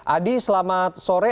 adi selamat sore